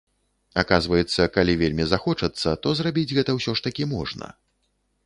Аказваецца, калі вельмі захочацца, то зрабіць гэта ўсё ж такі можна.